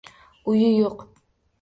Uyi yo‘q.